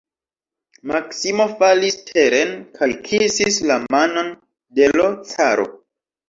Maksimo falis teren kaj kisis la manon de l' caro.